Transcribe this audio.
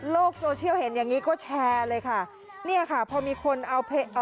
โรคโซเชียลเห็นอย่างนี้ก็แชร์เลยค่ะ